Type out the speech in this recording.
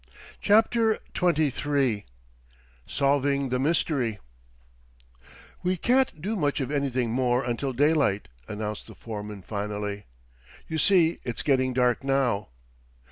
CHAPTER XXIII SOLVING THE MYSTERY "We can't do much of anything more until daylight," announced the foreman finally. "You see, it's getting dark now."